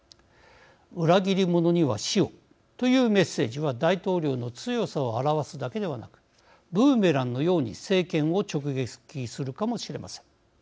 裏切り者には死をというメッセージは大統領の強さを表すだけではなくブーメランのように政権を直撃するかもしれません。